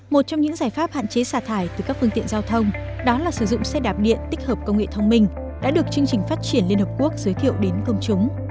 một trong những giải pháp hạn chế xả thải từ các phương tiện giao thông đó là sử dụng xe đạp điện tích hợp công nghệ thông minh đã được chương trình phát triển liên hợp quốc giới thiệu đến công chúng